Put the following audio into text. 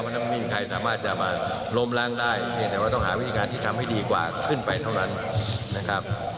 มันยังไม่มีใครสามารถจะมาล้มล้างได้เพียงแต่ว่าต้องหาวิธีการที่ทำให้ดีกว่าขึ้นไปเท่านั้นนะครับ